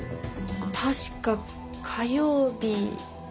確か火曜日。